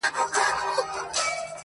تور پنجاب پر نړېدو دی!.